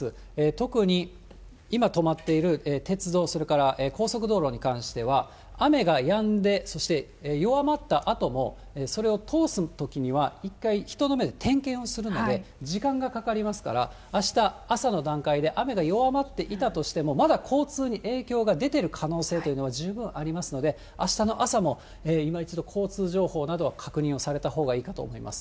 特に今止まっている鉄道、それから高速道路に関しては、雨がやんで、そして弱まったあとも、それを通すときには、一回人の目で点検をするので、時間がかかりますから、あした朝の段階で雨が弱まっていたとしても、まだ交通に影響が出てる可能性というのは十分ありますので、あしたの朝もいま一度、交通情報など、確認をされたほうがいいかと思います。